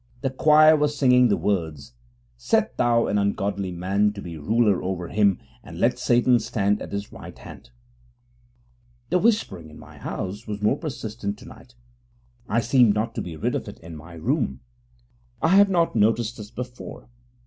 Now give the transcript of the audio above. The choir were singing the words (Set thou an ungodly man to be ruler over him and let Satan stand at his right hand.) The whispering in my house was more persistent tonight. I seemed not to be rid of it in my room. I have not noticed this before.